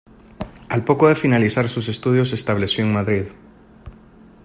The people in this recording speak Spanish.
Al poco de finalizar sus estudios se estableció en Madrid.